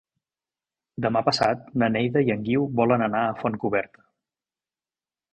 Demà passat na Neida i en Guiu volen anar a Fontcoberta.